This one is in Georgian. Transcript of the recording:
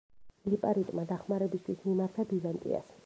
ლიპარიტმა დახმარებისათვის მიმართა ბიზანტიას.